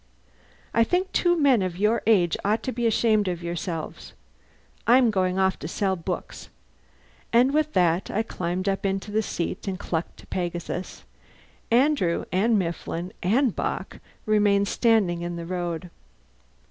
I think two men of your age ought to be ashamed of yourselves. I'm going off to sell books." And with that I climbed up to the seat and clucked to Pegasus. Andrew and Mifflin and Bock remained standing in the road.